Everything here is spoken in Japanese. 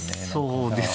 そうですね